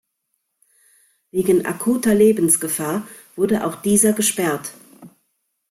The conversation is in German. Wegen akuter Lebensgefahr wurde auch dieser gesperrt.